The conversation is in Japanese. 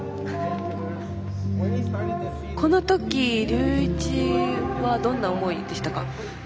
このとき、龍一はどんな思いでしたか？